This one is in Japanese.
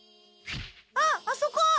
あっあそこ！